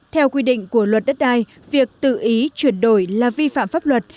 theo quy định của luật đất đai việc tự ý chuyển đổi là vi phạm pháp luật